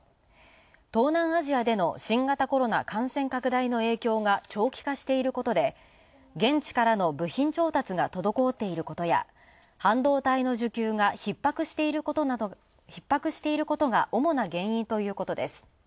東南アジアでの新型コロナ感染拡大の影響が長期化していることで、現地からの部品調達が滞っていることや半導体の需給がひっ迫していることが主な原因ということです。